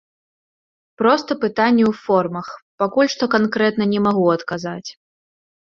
Проста пытанне ў формах, пакуль што канкрэтна не магу адказаць.